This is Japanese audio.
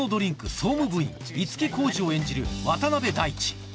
総務部員五木耕司を演じる渡辺大知